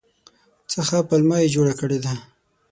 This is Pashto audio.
څه ښه پلمه یې جوړه کړې ده !